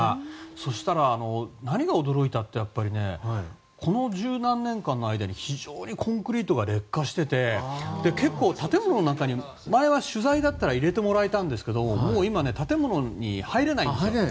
そうしたら、何が驚いたってこの十何年間の間にコンクリートが劣化していて結構、建物の中に前は取材だったら入れてもらえたんですけども今はもう建物に入れないんです。